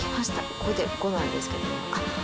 これで５なんですけども。